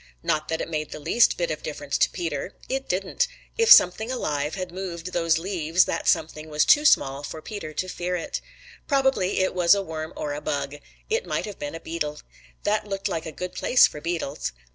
Not that it made the least bit of difference to Peter. It didn't. If something alive had moved those leaves, that something was too small for Peter to fear it. Probably it was a worm or a bug. It might have been a beetle. That looked like a good place for beetles.